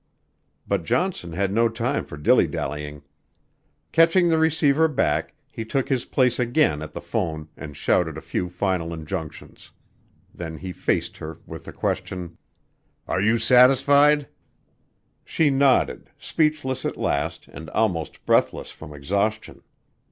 _" But Johnson had no time for dilly dallying. Catching the receiver back, he took his place again at the phone and shouted a few final injunctions. Then he faced her with the question: "Are you satisfied?" She nodded, speechless at last and almost breathless from exhaustion.